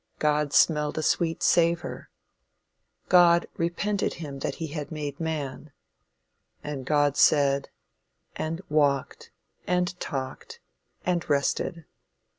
"God smelled a sweet savor;" "God repented him that he had made man;" "and God said;" and "walked;" and "talked;" and "rested."